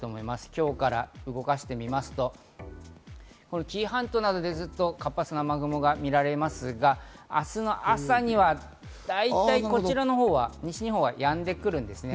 今日から動かしてみますと紀伊半島などでずっと活発な雨雲が見られますが、明日の朝には大体こちらのほうは、西日本はやんでくるんですね。